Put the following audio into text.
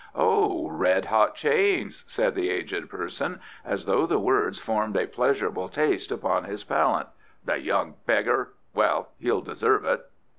"Ah, red hot chains!" said the aged person, as though the words formed a pleasurable taste upon his palate. "The young beggar! Well, he'd deserve it."